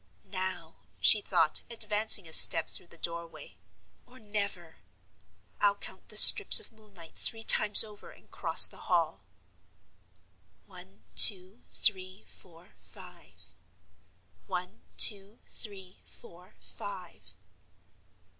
"Now," she thought, advancing a step through the door way, "or never! I'll count the strips of moonlight three times over, and cross the Hall." "One, two, three, four, five. One, two, three, four, five.